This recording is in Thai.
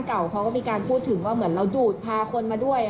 เก่าเขาก็มีการพูดถึงว่าเหมือนเราดูดพาคนมาด้วย